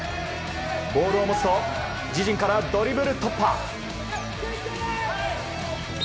ボールを持つと、自陣からドリブル突破。